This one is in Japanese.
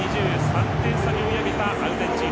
３点差に追い上げたアルゼンチン。